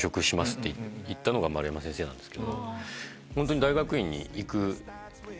って言ったのが丸山先生なんです。